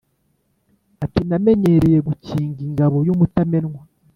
ati: namenyereye gukinga ingabo y'umutamenwa,